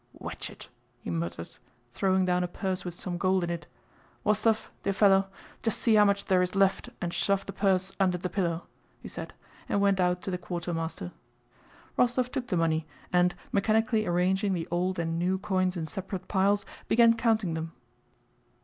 "Wetched!" he muttered, throwing down a purse with some gold in it. "Wostóv, deah fellow, just see how much there is left and shove the purse undah the pillow," he said, and went out to the quartermaster. Rostóv took the money and, mechanically arranging the old and new coins in separate piles, began counting them.